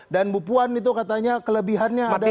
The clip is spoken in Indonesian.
dan bu puan itu katanya kelebihannya adalah